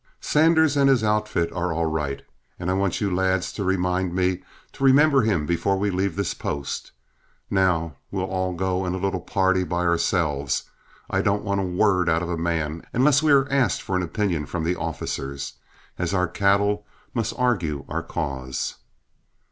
Sanders and his outfit are all right, and I want you lads to remind me to remember him before we leave this post. Now, we'll all go in a little party by ourselves, and I don't want a word out of a man, unless we are asked for an opinion from the officers, as our cattle must argue our cause."